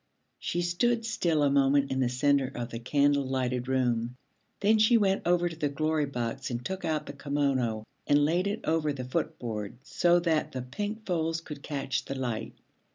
She stood still a moment in the centre of the candle lighted room. Then she went over to the Glory Box and took out the kimono and laid it over the footboard so that the pink folds could catch the light.